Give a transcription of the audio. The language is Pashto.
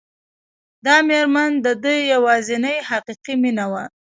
دا مېرمن د ده يوازېنۍ حقيقي مينه وه.